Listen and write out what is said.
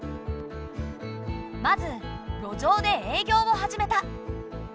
まず路上で営業を始めた。